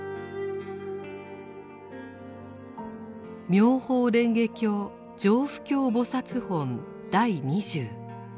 「妙法蓮華経常不軽菩薩品第二十」。